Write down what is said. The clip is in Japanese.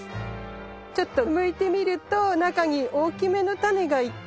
ちょっとむいてみると中に大きめのタネが１個。